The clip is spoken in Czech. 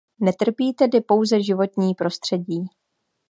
Netrpí tedy pouze životní prostředí.